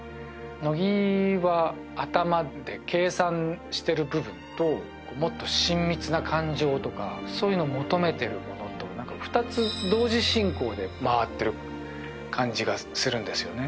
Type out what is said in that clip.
乃木は頭で計算してる部分ともっと親密な感情とかそういうのを求めてるものと二つ同時進行で回ってる感じがするんですよね